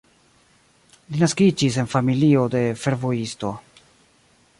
Li naskiĝis en familio de fervojisto.